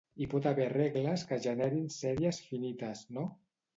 Hi pot haver regles que generin sèries finites, no?